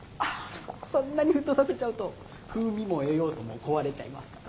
そんなに沸騰させちゃうと風味も栄養素も壊れちゃいますから。